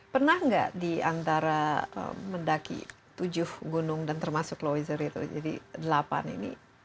pernah nggak di antara mendaki tujuh gunung dan termasuk lowizer itu jadi delapan ini